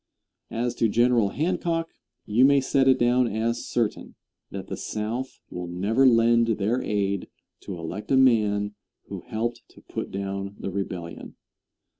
As to General Hancock, you may set it down as certain that the South will never lend their aid to elect a man who helped to put down the Rebellion.